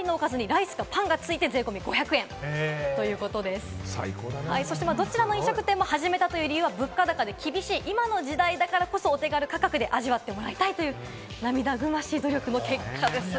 ハンバーグや豚肉炒めなど日替わりのおかずにライスかパンが付いて税込み５００円、どちらの飲食店も始めたという理由は物価高で厳しい今の時代だからこそ、お手軽価格で味わってもらいたいという涙ぐましい努力の結果です。